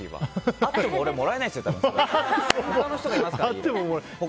あっても俺、もらえないですよ。